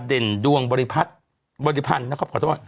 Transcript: เด่นดวงบริพันธ์